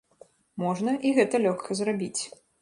Можна і гэта лёгка зрабіць.